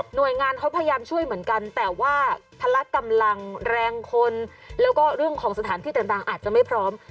หน่วยงานเขาพยายามช่วยเหมือนกันแต่ว่าพละกำลังแรงคนแล้วก็เรื่องของสถานที่ต่างอาจจะไม่พร้อม